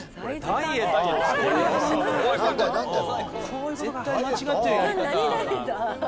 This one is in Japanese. これ絶対間違ってるやり方。